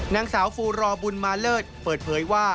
นางสาวฟูรอบุญมาเลิศเปิดเผยว่า